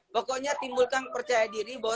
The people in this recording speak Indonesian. pokoknya timbulkan percaya diri bahwa